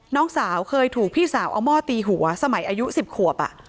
น้องสาวเคยถูกพี่สาวเอาหม้อตีหัวสมัยอายุ๑๐ขวบ